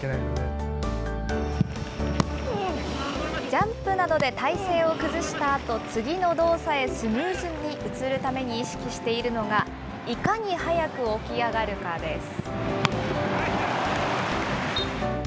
ジャンプなどで体勢を崩したあと、次の動作へスムーズに移るために意識しているのが、いかに早く起き上がるかです。